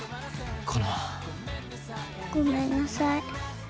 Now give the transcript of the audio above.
ごめんなさい。